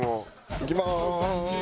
いきまーす。